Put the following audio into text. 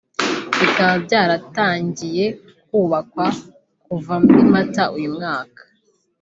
bikaba byaratangiye kubakwa kuva muri Mata uyu mwaka